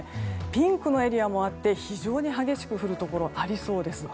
ピンクのエリアもあって非常に激しく降るところありそうです。